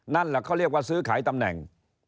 นั่นแหละเขาเรียกว่าซื้อขายตำแหน่ง